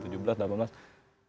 jadi hampir setiap tahun